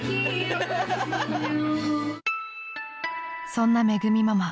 ［そんなめぐみママ］